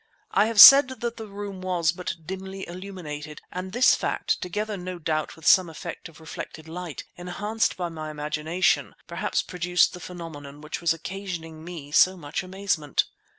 I have said that the room was but dimly illuminated, and this fact, together no doubt with some effect of reflected light, enhanced by my imagination, perhaps produced the phenomenon which was occasioning me so much amazement.